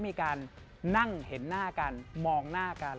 ทุกท่านพูดคุย